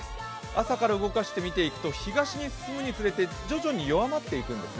朝から動かして見ていくと、東に進むにつれて大きくともなっていくんですね。